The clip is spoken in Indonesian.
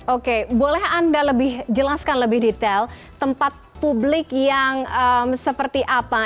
oke boleh anda lebih jelaskan lebih detail tempat publik yang seperti apa